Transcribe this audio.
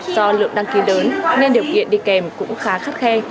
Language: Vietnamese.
do lượng đăng ký lớn nên điều kiện đi kèm cũng khá khắt khe